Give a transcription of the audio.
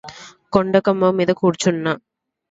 కొండకొమ్ము మీద కూరుచున్న